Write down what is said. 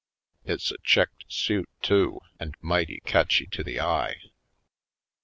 It's a checked suit, too, and mighty catchy to the eye.